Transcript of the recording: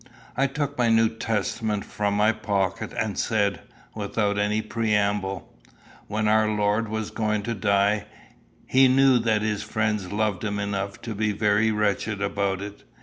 I took my New Testament from my pocket, and said, without any preamble, "When our Lord was going to die, he knew that his friends loved him enough to be very wretched about it.